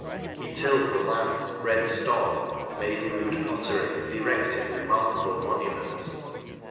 He tilled the land, bred stock, made rude pottery, and erected remarkable monuments.